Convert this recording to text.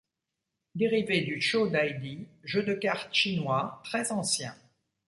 Dérivé du choh dai di, jeu de cartes chinois très ancien.